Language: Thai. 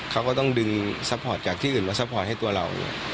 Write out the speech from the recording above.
เขาก็ต้องดึงซัพพอร์ตจากที่อื่นมาซัพพอร์ตให้ตัวเรา